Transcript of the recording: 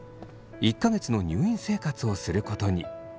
１か月の入院生活をすることに。